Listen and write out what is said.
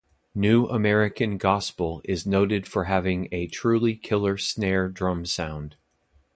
"New American Gospel" is noted for having a "truly killer snare drum sound".